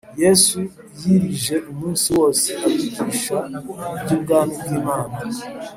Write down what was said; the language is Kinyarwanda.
Yesu yirije umunsi wose abigisha iby Ubwami bw Imana